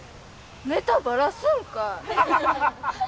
ネタバラすんかい！